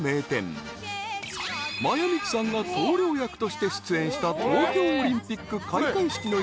［真矢ミキさんが棟りょう役として出演した東京オリンピック開会式の衣装